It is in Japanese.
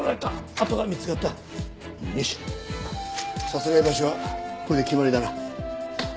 殺害場所はこれで決まりだな。